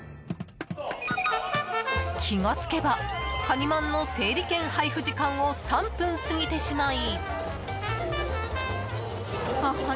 気がつけばかにまんの整理券配布時間を３分過ぎてしまい。